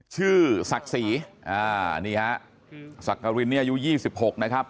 ชื่อสักศรีอ่านี่ฮะสักกระรินเนี่ยอายุยี่สิบหกนะครับ